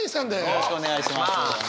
よろしくお願いします。